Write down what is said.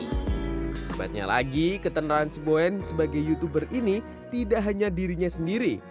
kebetulannya lagi ketentangan sibuen sebagai youtuber ini tidak hanya dirinya sendiri